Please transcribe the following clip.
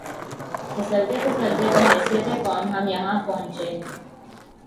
پھسلتے پھسلتے بحیثیت قوم ہم یہاں پہنچے ہیں۔